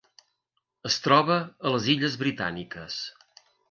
Es troba a les Illes Britàniques: